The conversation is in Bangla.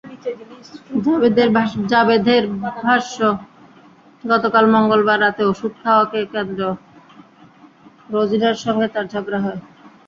জাভেদের ভাষ্য, গতকাল মঙ্গলবার রাতে ওষুধ খাওয়াকে কেন্দ্র রোজিনার সঙ্গে তাঁর ঝগড়া হয়।